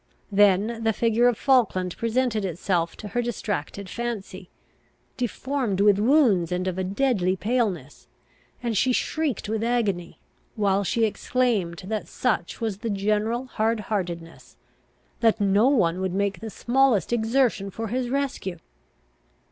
Then the figure of Falkland presented itself to her distracted fancy, deformed with wounds, and of a deadly paleness, and she shrieked with agony, while she exclaimed that such was the general hardheartedness, that no one would make the smallest exertion for his rescue.